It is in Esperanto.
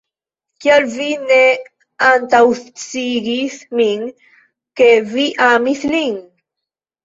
Kial vi ne antaŭsciigis min, ke vi amis lin?